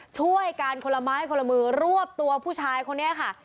ช่วยกันคนละไม้คนละมือรวบตัวผู้ชายคนนี้ค่ะ